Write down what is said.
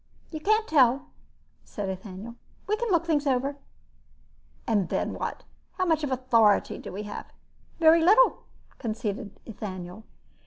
"You can't tell," said Ethaniel. "We can look things over." "And then what? How much authority do we have?" "Very little," conceded Ethaniel.